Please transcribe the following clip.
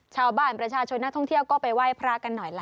ประชาชนนักท่องเที่ยวก็ไปไหว้พระกันหน่อยล่ะ